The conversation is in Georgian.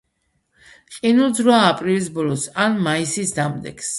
ყინულძვრაა აპრილის ბოლოს ან მაისის დამდეგს.